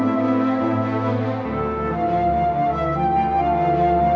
jadi encik bersendari kayak itu